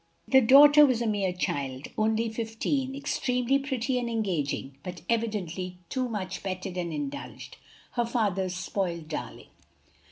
The daughter was a mere child only fifteen extremely pretty and engaging, but evidently too much petted and indulged, her father's spoiled darling.